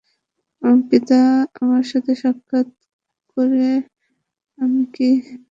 পিতা আমার সাথে সাক্ষাৎ করে আমি কী করেছি তা জিজ্ঞেস করলেন।